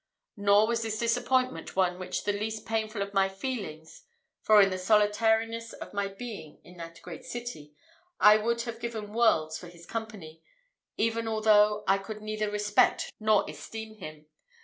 Nor was this disappointment one of the least painful of my feelings, for in the solitariness of my being in that great city I would have given worlds for his company, even although I could neither respect nor esteem him.